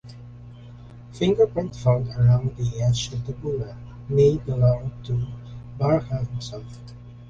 Fingerprints found around the edge of the bulla may belong to Barachel himself.